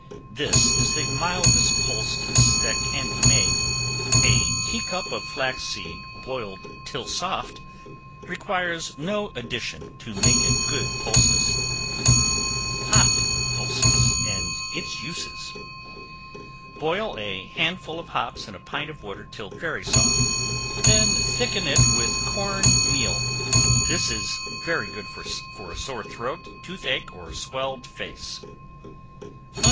This is the mildest poultice that can be made. A tea cup of flaxseed boiled till soft, requires no addition to make a good poultice. Hop Poultice, and its Uses. Boil a handful of hops in a pint of water till very soft; when thicken it with corn meal. This is very good for a sore throat, tooth ache, or swelled face.